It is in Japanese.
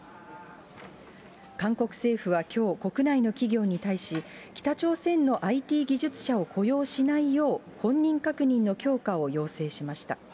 韓国政府はきょう、国内の企業に対し、北朝鮮のＩＴ技術者を雇用しないよう、本人確認の強化を要請しました。